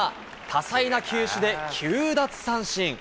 多彩な球種で９奪三振。